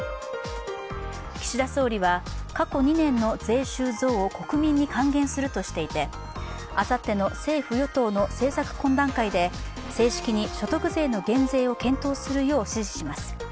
岸田総理は過去２年の税収増を国民に還元するとしていてあさっての政府・与党の政策懇談会で正式に所得税の減税を検討するよう指示します